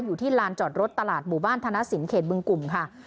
อยู่ที่ลานจอดรถตลาดหมู่บ้านธนสินเขตบึงกลุ่มค่ะ